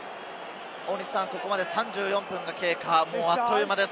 ３４分が経過、あっという間です。